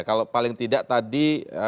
kalau paling tidak tadi